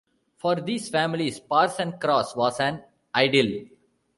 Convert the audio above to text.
For these families Parson cross was an idyll.